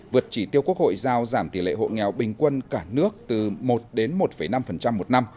vượt chỉ tiêu quốc hội giao giảm tỷ lệ hộ nghèo bình quân cả nước từ một đến một năm một năm